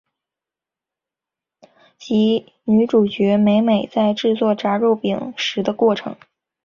及女主角美美在制作炸肉饼时的过程。